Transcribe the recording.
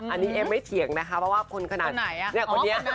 อันนี้เอมไม่เถียงนะครับว่าคนขนาด